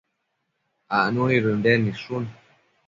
acnu nid Ënden nidshun